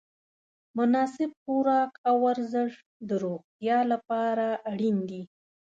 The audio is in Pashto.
مناسب خوراک او ورزش د روغتیا لپاره اړین دي.